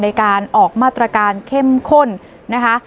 ในการออกมาตรการเข้มข้นนะคะ